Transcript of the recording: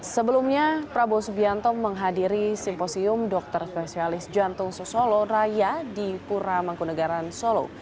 sebelumnya prabowo subianto menghadiri simposium dokter spesialis jantung sesolo raya di pura mangkunagaran solo